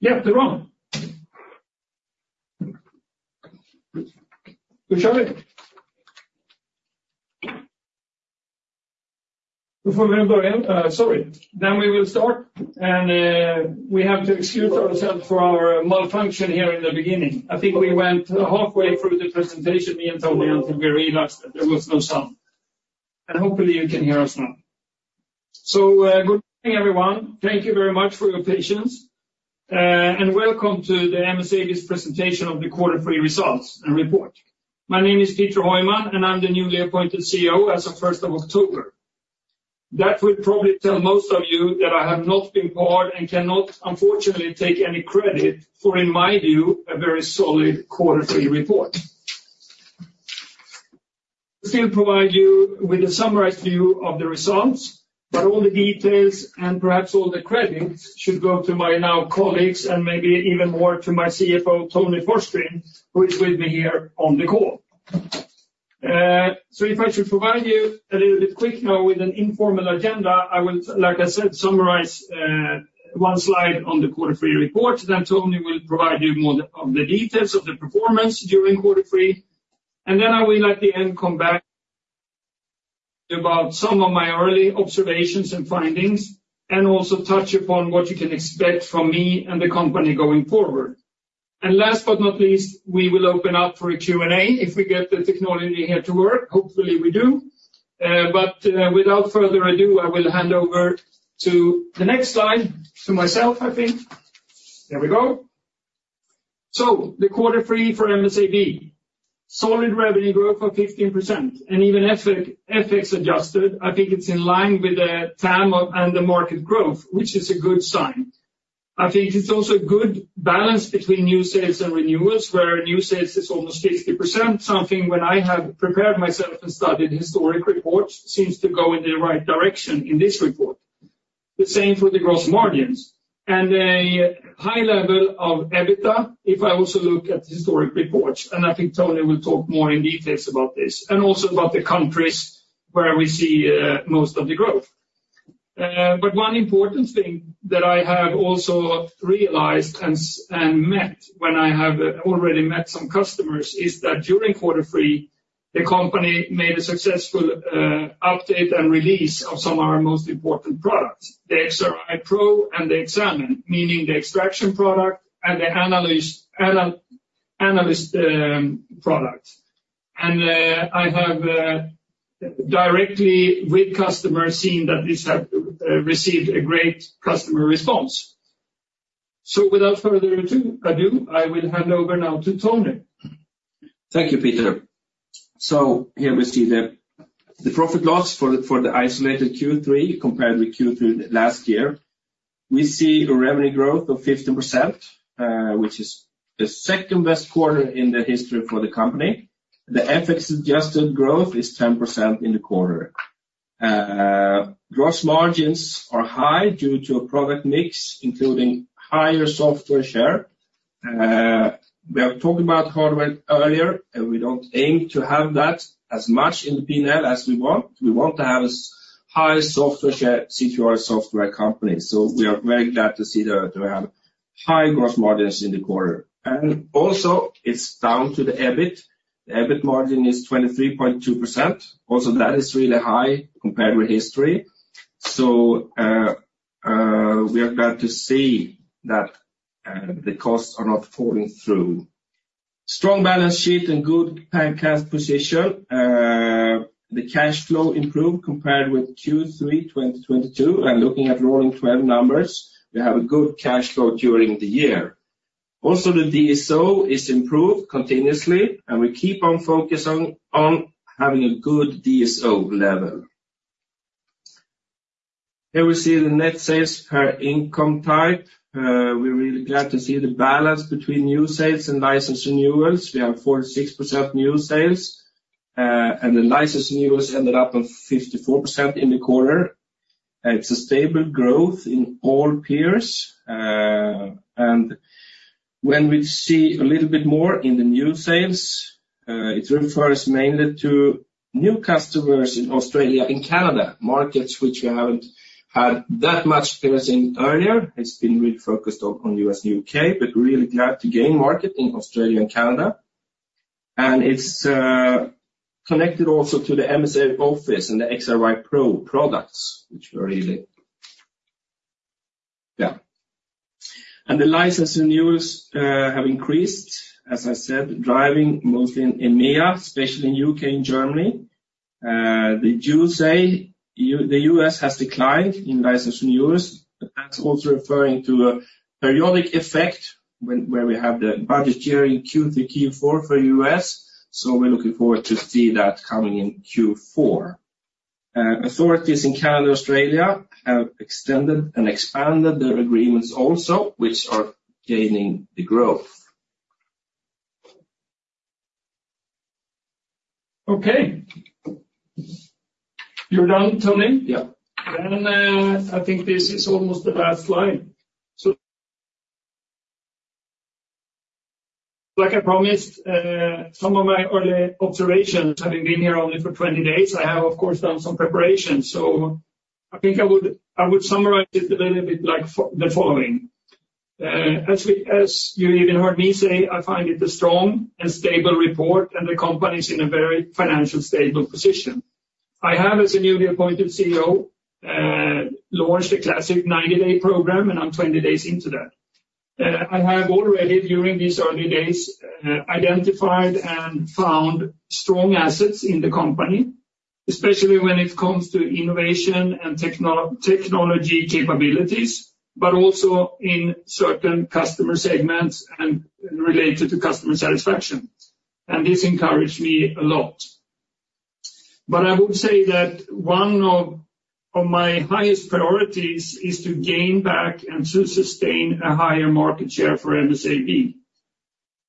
Jättebra! Då kör vi. Before we will begin, sorry. Then we will start, and we have to excuse ourselves for our malfunction here in the beginning. I think we went halfway through the presentation, me and Tony, until we realized that there was no sound. Hopefully you can hear us now. Good morning, everyone. Thank you very much for your patience, and welcome to the MSAB's presentation of the quarter three results and report. My name is Peter Heuman, and I'm the newly appointed CEO as of first of October. That will probably tell most of you that I have not been part and cannot, unfortunately, take any credit for, in my view, a very solid quarter three report. I will still provide you with a summarized view of the results, but all the details, and perhaps all the credits, should go to my new colleagues and maybe even more to my CFO, Tony Forsgren, who is with me here on the call. So if I should provide you a little bit quick now with an informal agenda, I will, like I said, summarize, one slide on the quarter three report, then Tony will provide you more of the details of the performance during quarter three. And then I will at the end, come back about some of my early observations and findings, and also touch upon what you can expect from me and the company going forward. And last but not least, we will open up for a Q&A if we get the technology here to work. Hopefully, we do. But without further ado, I will hand over to the next slide to myself, I think. There we go. So the quarter three for MSAB: solid revenue growth of 15%, and even FX-adjusted, I think it's in line with the TAM and the market growth, which is a good sign. I think it's also a good balance between new sales and renewals, where new sales is almost 50%, something when I have prepared myself and studied historic reports, seems to go in the right direction in this report. The same for the gross margins and a high level of EBITDA, if I also look at the historic reports, and I think Tony will talk more in details about this, and also about the countries where we see most of the growth. But one important thing that I have also realized and seen and met when I have already met some customers is that during quarter three, the company made a successful update and release of some of our most important products, the XRY Pro and the XAMN, meaning the extraction product and the analyst product. And I have directly with customers seen that this have received a great customer response. So without further ado, I will hand over now to Tony. Thank you, Peter. So here we see the P&L for the isolated Q3 compared with Q2 last year. We see a revenue growth of 15%, which is the second best quarter in the history for the company. The FX-adjusted growth is 10% in the quarter. Gross margins are high due to a product mix, including higher software share. We are talking about hardware earlier, and we don't aim to have that as much in the P&L as we want. We want to have a high software share since we are a software company, so we are very glad to see that we have high gross margins in the quarter. And also, it's down to the EBIT. The EBIT margin is 23.2%. Also, that is really high compared with history. So, we are glad to see that, the costs are not falling through. Strong balance sheet and good bank cash position. The cash flow improved compared with Q3 2022, and looking at rolling 12 numbers, we have a good cash flow during the year. Also, the DSO is improved continuously, and we keep on focusing on having a good DSO level. Here we see the net sales per income type. We're really glad to see the balance between new sales and license renewals. We have 46% new sales, and the license renewals ended up on 54% in the quarter. It's a stable growth in all peers. And when we see a little bit more in the new sales, it refers mainly to new customers in Australia and Canada, markets which we haven't had that much presence in earlier. It's been really focused on U.S. and U.K., but really glad to gain market in Australia and Canada. It's connected also to the MSAB Office and the XRY Pro products, which were really... Yeah. The license renewals have increased, as I said, driving mostly in EMEA, especially in U.K. and Germany. The U.S. has declined in license renewals, but that's also referring to a periodic effect where we have the budget year in Q3, Q4 for U.S., so we're looking forward to see that coming in Q4. Authorities in Canada, Australia have extended and expanded their agreements also, which are gaining the growth. Okay. You're done, Tony? Yeah. I think this is almost the last slide. Like I promised, some of my early observations, having been here only for 20 days, I have, of course, done some preparation. So I think I would, I would summarize it a little bit like the following. As we, as you even heard me say, I find it a strong and stable report, and the company is in a very financially stable position. I have, as a newly appointed CEO, launched a classic 90-day program, and I'm 20 days into that. I have already, during these early days, identified and found strong assets in the company, especially when it comes to innovation and technology capabilities, but also in certain customer segments and related to customer satisfaction. And this encouraged me a lot. But I would say that one of my highest priorities is to gain back and to sustain a higher market share for MSAB.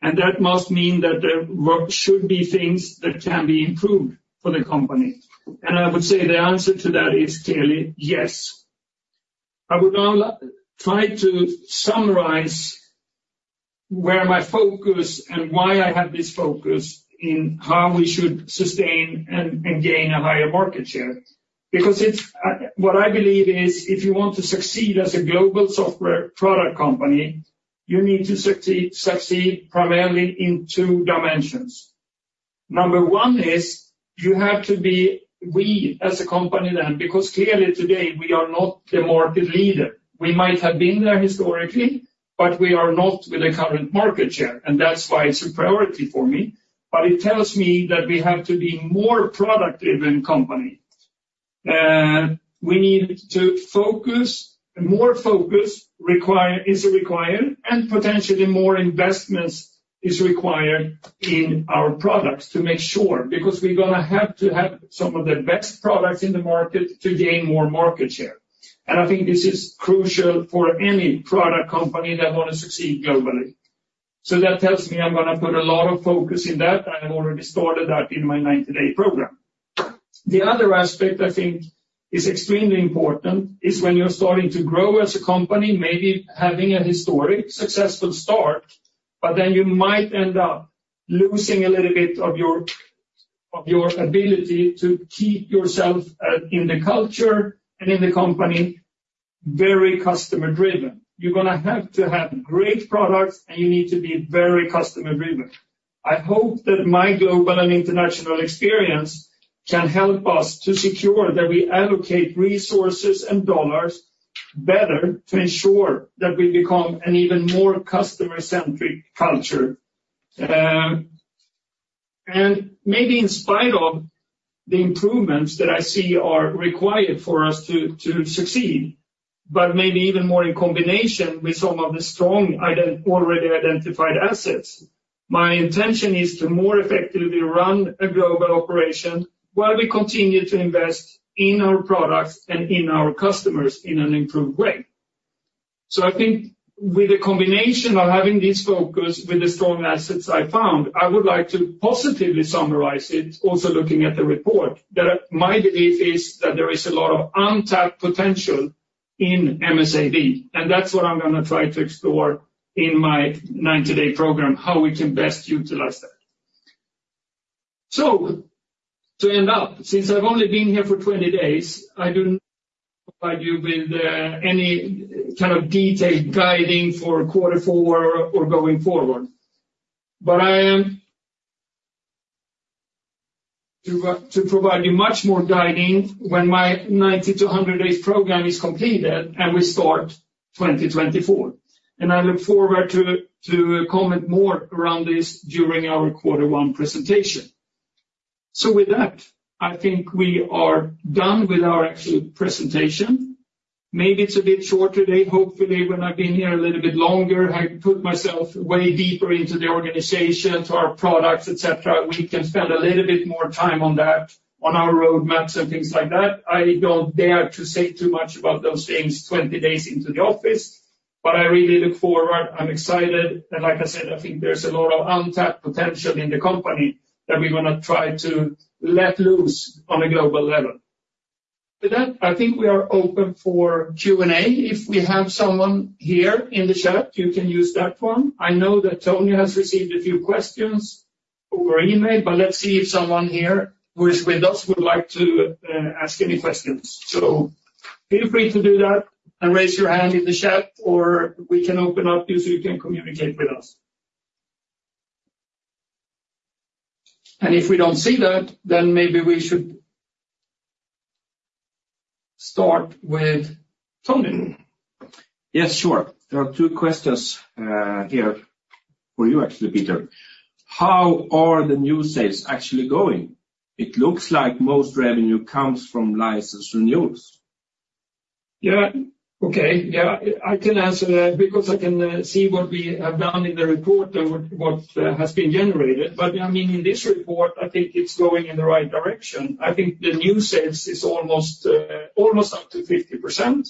And that must mean that there is work should be things that can be improved for the company. And I would say the answer to that is clearly yes. I would now try to summarize where my focus and why I have this focus in how we should sustain and gain a higher market share. Because it's... What I believe is, if you want to succeed as a global software product company, you need to succeed primarily in two dimensions. Number one is you have to be number one as a company then, because clearly today, we are not the market leader. We might have been there historically, but we are not with the current market share, and that's why it's a priority for me. But it tells me that we have to be more productive in company. We need to focus, more focus is required, and potentially more investments is required in our products to make sure, because we're going to have to have some of the best products in the market to gain more market share. I think this is crucial for any product company that want to succeed globally. That tells me I'm going to put a lot of focus in that, and I already started that in my 90-day program. The other aspect I think is extremely important is when you're starting to grow as a company, maybe having a historic successful start, but then you might end up losing a little bit of your, of your ability to keep yourself, in the culture and in the company, very customer-driven. You're going to have to have great products, and you need to be very customer-driven. I hope that my global and international experience can help us to secure that we allocate resources and dollars better to ensure that we become an even more customer-centric culture. And maybe in spite of the improvements that I see are required for us to succeed, but maybe even more in combination with some of the strong item, already identified assets, my intention is to more effectively run a global operation while we continue to invest in our products and in our customers in an improved way. So I think with a combination of having this focus with the strong assets I found, I would like to positively summarize it, also looking at the report, that my belief is that there is a lot of untapped potential in MSAB, and that's what I'm going to try to explore in my 90-day program, how we can best utilize that. So to end up, since I've only been here for 20 days, I don't provide you with any kind of detailed guiding for quarter four or going forward. But I am to provide you much more guiding when my 90-100-day program is completed and we start 2024. And I look forward to comment more around this during our quarter one presentation. So with that, I think we are done with our actual presentation. Maybe it's a bit short today. Hopefully, when I've been here a little bit longer, I put myself way deeper into the organization, to our products, et cetera, we can spend a little bit more time on that, on our roadmaps and things like that. I don't dare to say too much about those things 20 days into the office, but I really look forward. I'm excited, and like I said, I think there's a lot of untapped potential in the company that we're going to try to let loose on a global level. With that, I think we are open for Q&A. If we have someone here in the chat, you can use that one. I know that Tony has received a few questions over email, but let's see if someone here who is with us would like to ask any questions. Feel free to do that and raise your hand in the chat, or we can open up to you so you can communicate with us. If we don't see that, then maybe we should start with Tony. Yes, sure. There are two questions here for you, actually, Peter. How are the new sales actually going? It looks like most revenue comes from license renewals. Yeah. Okay. Yeah, I can answer that because I can see what we have done in the report and what, what has been generated. But, I mean, in this report, I think it's going in the right direction. I think the new sales is almost, almost up to 50%.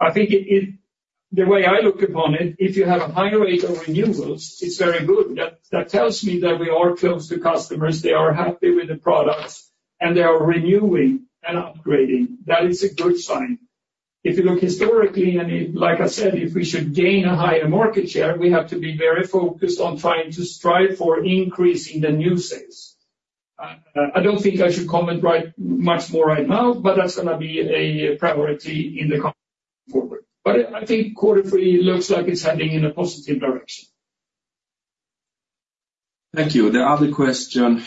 I think it, it... The way I look upon it, if you have a high rate of renewals, it's very good. That, that tells me that we are close to customers, they are happy with the products, and they are renewing and upgrading. That is a good sign.... If you look historically, and like I said, if we should gain a higher market share, we have to be very focused on trying to strive for increasing the new sales. I don't think I should comment right much more right now, but that's gonna be a priority in the company forward. But I think quarter three looks like it's heading in a positive direction. Thank you. The other question,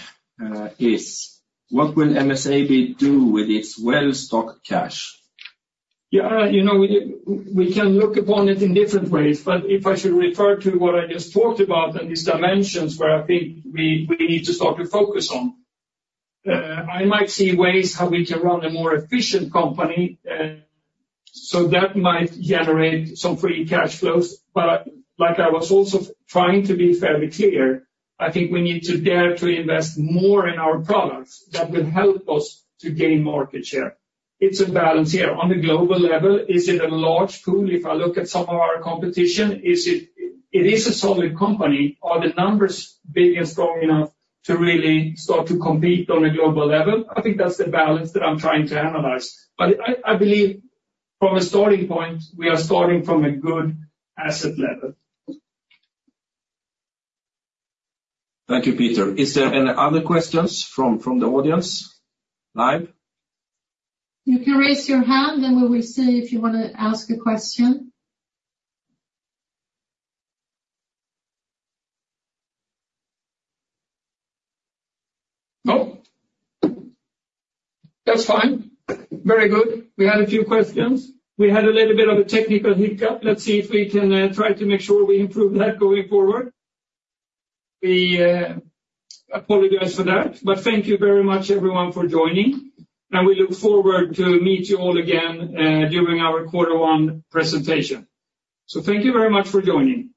is: What will MSAB do with its well-stocked cash? Yeah, you know, we, we can look upon it in different ways, but if I should refer to what I just talked about and these dimensions where I think we, we need to start to focus on, I might see ways how we can run a more efficient company, so that might generate some free cash flows. But like I was also trying to be fairly clear, I think we need to dare to invest more in our products that will help us to gain market share. It's a balance here. On the global level, is it a large pool? If I look at some of our competition, is it- it is a solid company. Are the numbers big and strong enough to really start to compete on a global level? I think that's the balance that I'm trying to analyze. I, I believe from a starting point, we are starting from a good asset level. Thank you, Peter. Is there any other questions from the audience live? You can raise your hand, and we will see if you want to ask a question. No? That's fine. Very good. We had a few questions. We had a little bit of a technical hiccup. Let's see if we can try to make sure we improve that going forward. We apologize for that, but thank you very much, everyone, for joining, and we look forward to meet you all again during our quarter one presentation. So thank you very much for joining.